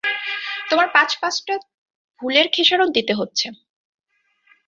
তোমার পাঁচ-পাঁচটা ভুলের খেসারত দিতে হচ্ছে।